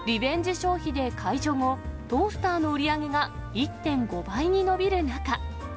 消費で解除後、トースターの売り上げが１．５倍に伸びる中。